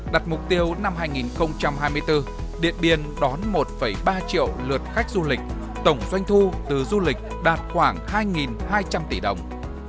đặt mục tiêu năm hai nghìn hai mươi bốn điện biên đón một ba triệu lượt khách du lịch tổng doanh thu từ du lịch đạt khoảng hai hai trăm linh tỷ đồng